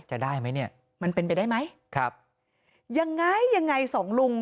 จะได้ไหมเนี่ยมันเป็นไปได้ไหมครับยังไงยังไงสองลุง